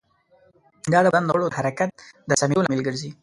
دا د بدن د غړو د حرکت د سمېدو لامل ګرځي.